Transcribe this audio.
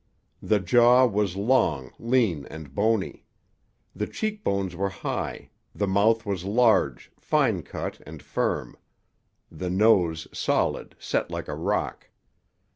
The jaw was long, lean and bony. The cheek bones were high; the mouth was large, fine cut, and firm; the nose, solid, set like a rock.